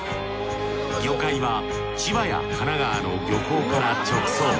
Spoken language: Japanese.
魚介は千葉や神奈川の漁港から直送。